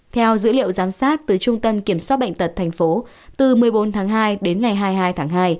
theo dữ liệu giám sát từ trung tâm kiểm soát bệnh tật tp từ một mươi bốn tháng hai đến ngày hai mươi hai tháng hai